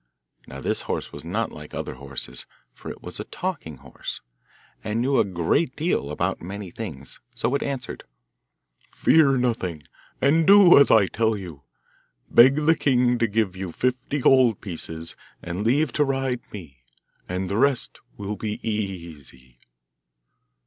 Now this horse was not like other horses, for it was a talking horse, and knew a great deal about many things, so it answered, 'Fear nothing, and do as I tell you. Beg the king to give you fifty gold pieces and leave to ride me, and the rest will be easy.